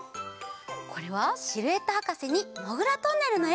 これはシルエットはかせに「もぐらトンネル」のえ。